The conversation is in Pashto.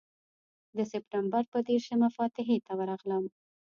د سپټمبر پر دېرشمه فاتحې ته ورغلم.